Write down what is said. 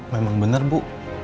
memang bener bu